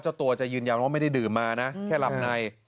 เจ้าตัวจะยืนยันว่าไม่ได้ดื่มมานะแค่หลับใน